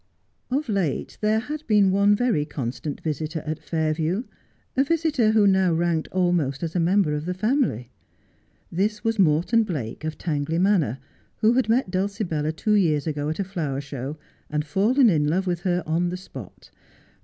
Of late there had been one very constant visitor at Fairview, a visitor who now ranked almost as member of the family. This was Morton Blake, of Tangley Manor, who had met Dulcibella two years ago at a flower show and fallen in love with her on the spot.